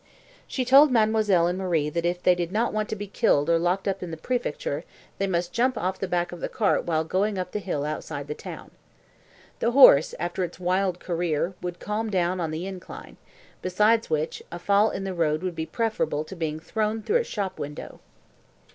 She told mademoiselle and Marie that if they did not want to be killed or locked up in the préfecture, they must jump off the back of the cart while going up the hill outside the town. The horse, after its wild career, would calm down on the incline, besides which, a fall in the road would be preferable to being thrown through a shop window.